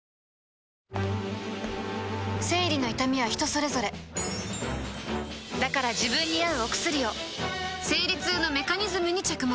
生理の痛みは人それぞれだから自分に合うお薬を生理痛のメカニズムに着目